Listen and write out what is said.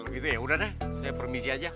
gitu ya udah deh saya permisi aja